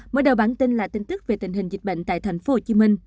mở đầu bản tin là tin tức về tình hình dịch bệnh tại tp hcm